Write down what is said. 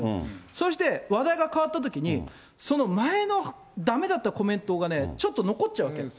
そして、話題が変わったときに、その前のだめだったコメントがね、ちょっと残っちゃうわけ。